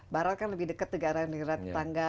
barat kan lebih dekat negara negara tetangga